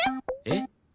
えっ。